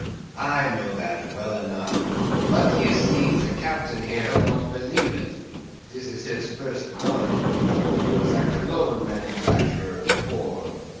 "I know that well enough; but, d'ye see, the Captain here won't believe it; this is his first voyage; he was a Cologne manufacturer before.